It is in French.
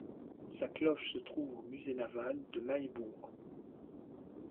Sa cloche se trouve au musée naval de Mahébourg.